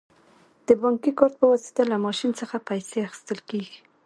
د بانکي کارت په واسطه له ماشین څخه پیسې اخیستل کیږي.